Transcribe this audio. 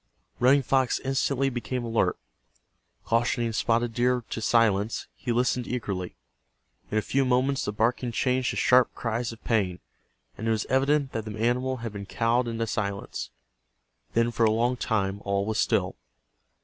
Running Fox instantly became alert. Cautioning Spotted Deer to silence, he listened eagerly. In a few moments the barking changed to sharp cries of pain, and it was evident that the animal had been cowed into silence. Then for a long time all was still.